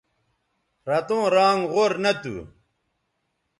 رتوں رانگ غور نہ تھو